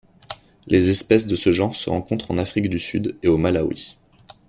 Les espèces de ce genre se rencontrent en Afrique du Sud et au Malawi.